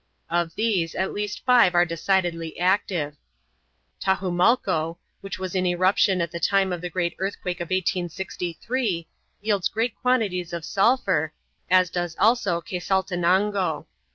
Of these at least five are decidedly active. Tajumalco, which was in eruption at the time of the great earthquake of 1863, yields great quantities of sulphur, as also does Quesaltenango.